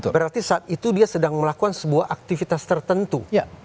berarti saat itu dia sedang melakukan sebuah aktivitas tertentu